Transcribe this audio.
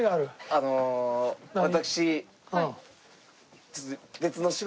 あの私。